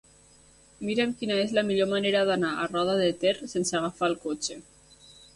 Mira'm quina és la millor manera d'anar a Roda de Ter sense agafar el cotxe.